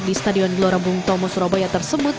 di stadion glorabung tomo surabaya tersebut